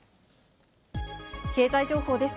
経済情報です。